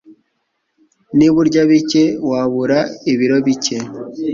Niba urya bike, wabura ibiro bike.